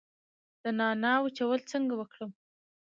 د نعناع وچول څنګه وکړم؟